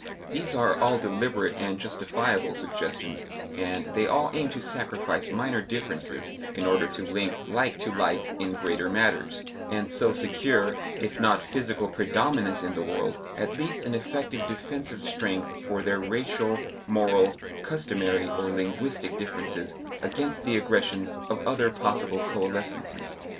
These are all deliberate and justifiable suggestions, and they all aim to sacrifice minor differences in order to link like to like in greater matters, and so secure, if not physical predominance in the world, at least an effective defensive strength for their racial, moral, customary, or linguistic differences against the aggressions of other possible coalescences.